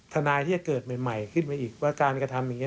ทนายที่จะเกิดใหม่ขึ้นมาอีกว่าการกระทำอย่างนี้